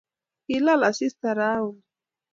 kilal asista rauni